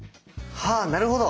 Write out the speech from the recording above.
はあなるほど！